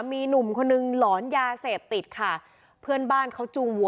มีหนุ่มคนนึงหลอนยาเสพติดค่ะเพื่อนบ้านเขาจูงวัว